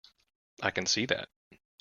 I can see that.